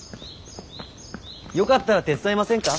よかったら手伝いませんか？